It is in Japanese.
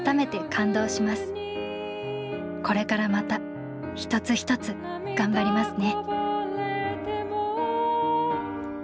これからまた一つ一つがんばりますね」。